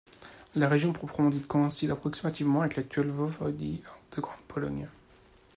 La région proprement dite coïncide approximativement avec l'actuelle voïvodie de Grande-Pologne.